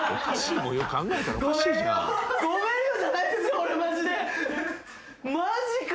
俺マジで。